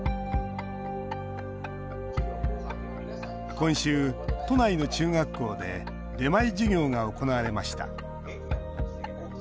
今週、都内の中学校で出前授業が行われました。